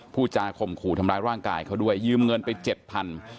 ผู้จาข่มขู่ทำร้ายร่างกายเขาด้วยยืมเงินไปเจ็ดพัน